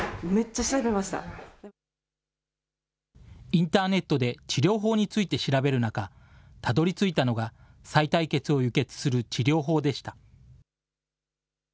インターネットで治療法について調べる中、たどりついたのが、さい帯血を輸血する治療法でした。